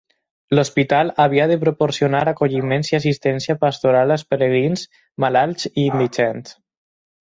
L'hospital havia de proporcionar acolliment i assistència pastoral als pelegrins, malalts i indigents.